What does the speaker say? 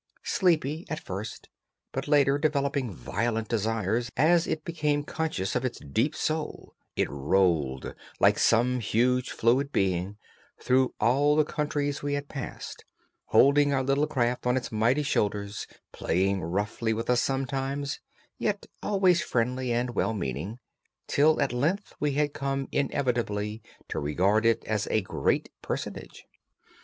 Sleepy at first, but later developing violent desires as it became conscious of its deep soul, it rolled, like some huge fluid being, through all the countries we had passed, holding our little craft on its mighty shoulders, playing roughly with us sometimes, yet always friendly and well meaning, till at length we had come inevitably to regard it as a Great Personage.